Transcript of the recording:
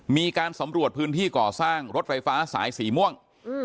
มีการสำรวจพื้นที่ก่อสร้างรถไฟฟ้าสายสีม่วง